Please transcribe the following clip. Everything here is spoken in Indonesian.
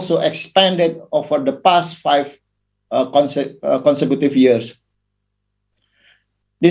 juga telah berkembang selama lima tahun konservatif yang lalu